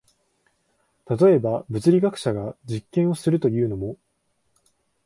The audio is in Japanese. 例えば、物理学者が実験をするというのも、